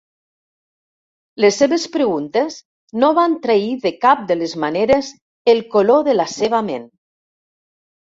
Les seves preguntes no van trair de cap de les maneres el color de la seva ment.